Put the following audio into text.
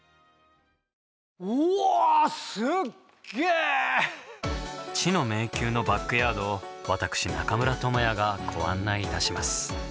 うわあ知の迷宮のバックヤードを私、中村倫也がご案内いたします。